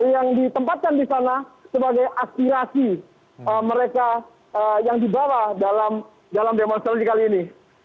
yang ditempatkan di sana sebagai aspirasi mereka yang dibawa dalam demonstrasi kali ini